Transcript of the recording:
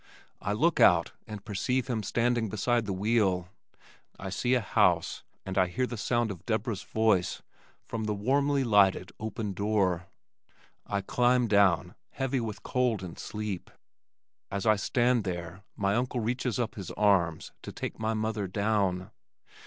I look out and perceive him standing beside the wheel. I see a house and I hear the sound of Deborah's voice from the warmly lighted open door. I climb down, heavy with cold and sleep. As I stand there my uncle reaches up his arms to take my mother down.